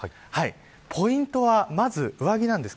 ポイントは、まず上着です。